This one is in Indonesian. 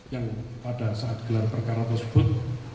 yang pada saat gelar perkara tersebut